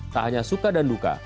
tak hanya suka dan duka